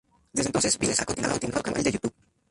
Desde entonces Vi ha continuado en su canal de YouTube.